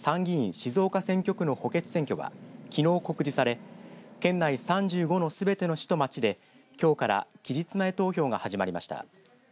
静岡選挙区の補欠選挙はきのう告示され県内３５のすべての市と町できょうから期日前投票が始まりました。